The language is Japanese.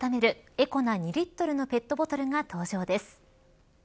エコな２リットルのペットボトルが登場です。